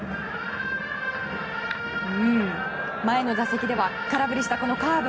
前の打席では空振りしたこのカーブ。